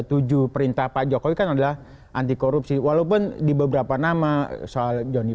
tujuh perintah pak jokowi kan adalah anti korupsi walaupun di beberapa nama soal johnny